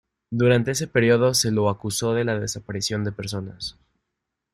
Durante ese período se lo acusó de la desaparición de personas.